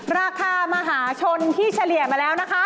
ราคามหาชนที่เฉลี่ยมาแล้วนะคะ